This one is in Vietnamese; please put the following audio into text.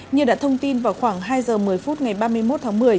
như đã thông tin vào khoảng hai giờ một mươi phút ngày ba mươi một tháng một mươi